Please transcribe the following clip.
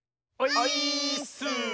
オイーッス！